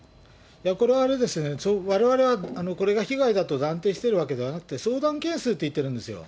これは、われわれは、これが被害だと断定しているわけではなくて、相談件数って言ってるんですよ。